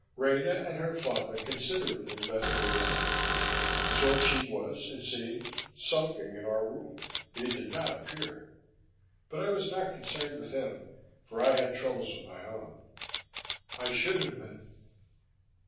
Rena and her father considerately left me alone; Zorchi was, it seemed, sulking in our room, for he did not appear. But I was not concerned with him, for I had troubles of my own. I should have been....